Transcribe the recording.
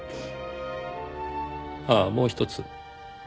ああもうひとつ。